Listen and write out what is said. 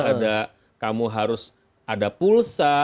ada kamu harus ada pulsa